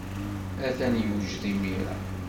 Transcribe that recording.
Atan yewjed imir-a.